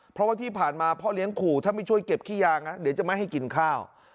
เพราะว่าที่ผ่านมาพ่อเลี้ยงขู่ถ้าไม่ช่วยเก็บขี้ยางเดี๋ยวจะไม่ให้กินข้าว